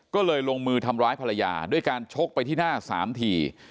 ก็เลยลงมือทำร้ายภรรยาด้วยการชกไปที่หน้า๓ที